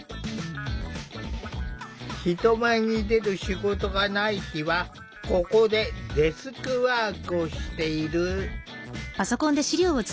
人前に出る仕事がない日はここでデスクワークをしている。